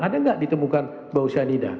ada nggak ditemukan bau cyanida